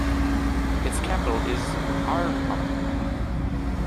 Its capital is 'Ar'ar.